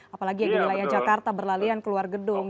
apalagi di wilayah jakarta berlalu keluar gedung